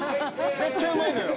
絶対うまいのよ！